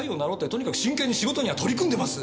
とにかく真剣に仕事には取り組んでます。